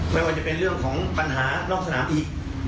ไม่ว่าจะเป็นเรื่องของปัญหานอกสนามอีก